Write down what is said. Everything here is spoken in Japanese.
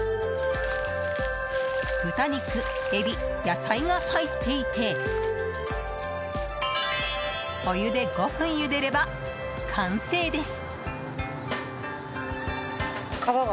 豚肉、エビ、野菜が入っていてお湯で５分ゆでれば完成です。